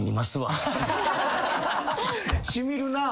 染みるな。